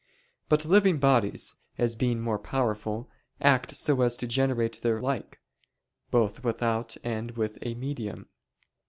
But living bodies, as being more powerful, act so as to generate their like, both without and with a medium.